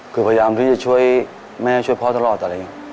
คือพยายามที่จะช่วยแม่ช่วยพ่อตลอดอะไรอย่างนี้